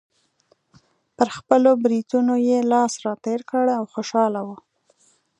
پر خپلو برېتونو یې لاس راتېر کړ او خوشحاله و.